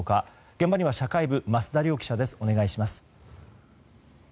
現場には社会部増田亮央記者です。